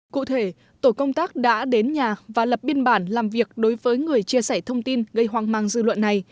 cụ thể tổ công tác đã đến nhà và lập biên bản làm việc đối với người chia sẻ thông tin gây hoang mang dư luận này